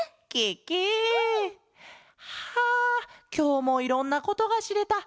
ケケ！はあきょうもいろんなことがしれた。